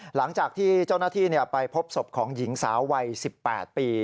หลังจากที่เจ้าหน้าที่ไปพบศพของหญิงสาววัย๑๘ปี